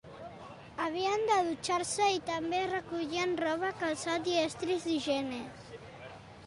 Havien de dutxar-se i també recollien roba, calçat i estris d'higiene.